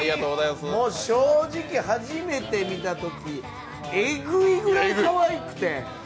正直、初めて見たときえぐいぐらいかわいくて！